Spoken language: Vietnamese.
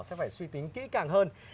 sẽ phải suy tính kỹ càng hơn